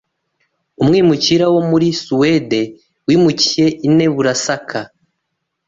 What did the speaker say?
umwimukira wo muri Suwede wimukiye i Neburasaka